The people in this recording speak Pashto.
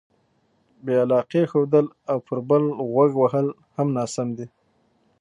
بې علاقې ښودل او پر بل غوږ وهل هم ناسم دي.